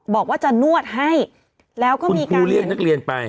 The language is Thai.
บอกว่าจะนวดให้แล้วก็มีการเรียกนักเรียนไป